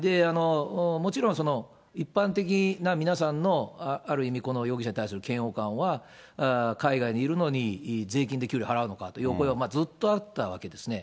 もちろん、一般的な皆さんの、ある意味、容疑者に対する嫌悪感は、海外にいるのに、税金で給料払うのかというお声はずっとあったわけですよね。